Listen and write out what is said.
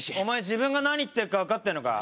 自分が何言ってるか分かってんのか？